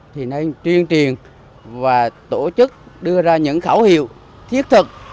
thì nay truyền truyền và tổ chức đưa ra những khẩu hiệu thiết thực